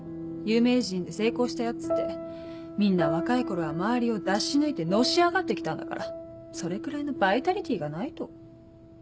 有名人で成功したヤツってみんな若い頃は周りを出し抜いてのし上がって来たんだからそれくらいのバイタリティーがないと。